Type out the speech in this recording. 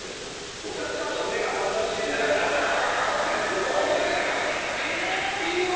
お客さんの目がだんだん死んでいくのが。